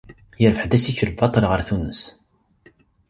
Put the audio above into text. Yerbeḥ-d assikel baṭel ɣer Tunes.